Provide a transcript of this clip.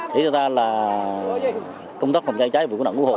thì chúng ta là công tác phòng cháy cháy vừa cố gắng ủng hộ